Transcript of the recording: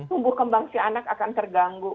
tumbuh kembang si anak akan terganggu